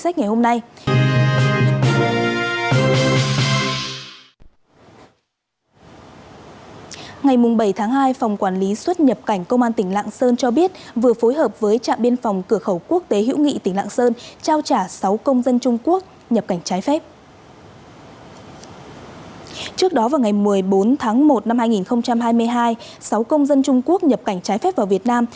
trước đó vào ngày một mươi bốn tháng một năm hai nghìn hai mươi hai sáu công dân trung quốc nhập cảnh trái phép vào việt nam